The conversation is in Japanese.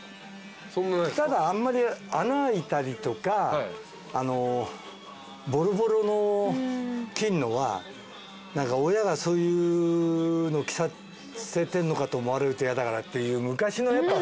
ただあんまり穴開いたりとかボロボロの着んのは親がそういうの着させてんのかと思われると嫌だからっていう昔のやっぱほら。